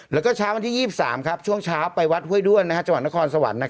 แล้วก็เช้าวันที่๒๓ช่วงเช้าไปวัดห้วยด้วนจังหวัดนครสวรรค์